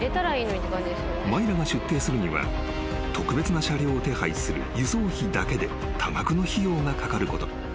［マイラが出廷するには特別な車両を手配する輸送費だけで多額の費用がかかること］